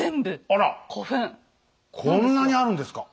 あらこんなにあるんですか？